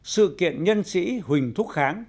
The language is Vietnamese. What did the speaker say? sự kiện nhân sĩ huỳnh thúc kháng